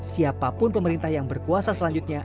siapapun pemerintah yang berkuasa selanjutnya